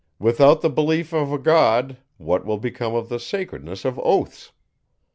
Without the belief of a God, what will become of the sacredness of oaths?